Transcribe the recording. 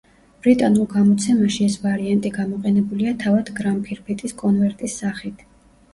ბრიტანულ გამოცემაში ეს ვარიანტი გამოყენებულია თავად გრამფირფიტის კონვერტის სახით.